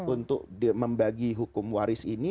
untuk membagi hukum waris ini